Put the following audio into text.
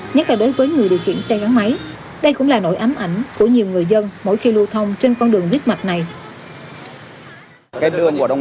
nhất là đối với người điều khiển xe gắn máy đây cũng là nỗi ám ảnh của nhiều người dân